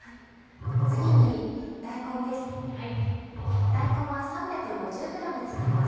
次に大根です。